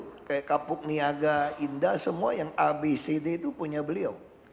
kayak kapuk niaga indah semua yang abcd itu punya beliau